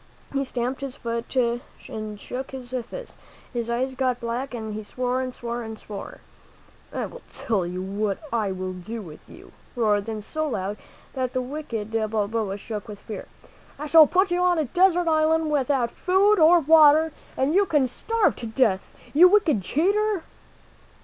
He stamped his foot and shook his fist; his eyes got black, and he swore and swore and swore. "I will tell you what I. (0^ #y< 29 M E N WHO FOUND AMERICA will do with you," roared the captain so loud that the wicked Balboa shook with fear; "I shall put you on a desert island without food or water and you can starve to death, you wicked cheater."